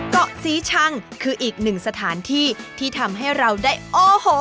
เกาะสีชังคืออีกหนึ่งสถานที่ที่ทำให้เราได้โอ้โห